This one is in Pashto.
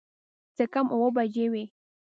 څه کم اووه بجې وې.